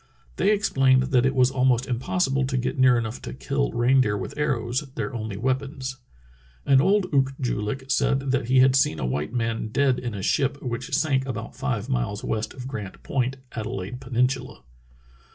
They explained that it was al most impossible to get near enough to kill reindeer with arrows, their only weapons." An old Ook joo lik said that he had seen a white man dead in a ship which sank about five miles west of Grant Point, Adelaide Peninsula.